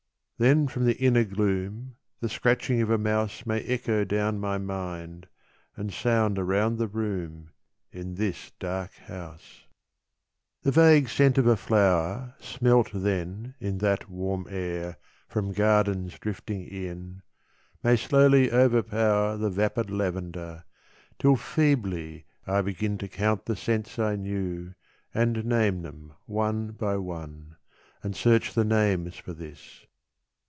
Then from the inner gloom The scratching of a mouse May echo down my mind And sound around the room In this dark house. 149 The vague scent of a flower, Smelt then in that warm air From gardens drifting in, May slowly overpower The vapid lavender, Till feebly I begin To count the scents I knew And name them one by one, And search the names for this.